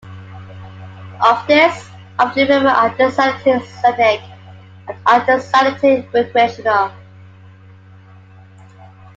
Of this, of the river are designated "scenic" and are designated "recreational.